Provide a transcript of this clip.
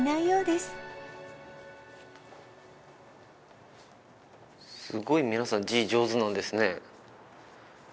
すごい皆さん字上手なんですね